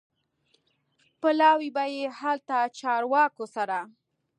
پلاوی به یې هلته چارواکو سره